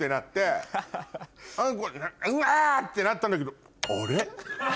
「うわ！」ってなったんだけど。